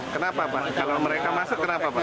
kenapa pak kalau mereka masuk kenapa pak